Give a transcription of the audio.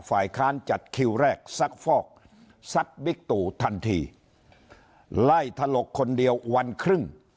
ฝ่ายค้านจัดคิวแรกซักฟอกซัดบิ๊กตู่ทันทีไล่ถลกคนเดียววันครึ่ง